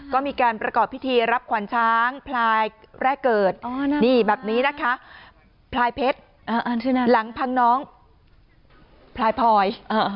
ก็มีการประกอบพิธีรับขวัญช้างพลายแรกเกิดนี่แบบนี้นะคะพลายเพชรหลังพังน้องพลายพลอย